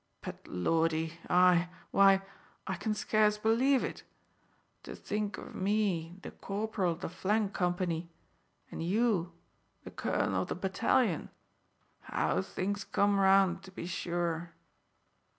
But, Lordy I why, I can scarce believe it. To think of me the corporal of the flank company and you the colonel of the battalion! How things come round, to be sure!"